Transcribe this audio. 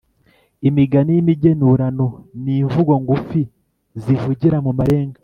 imigani y’imigenurano ni imvugo ngufi zivugira mu marenga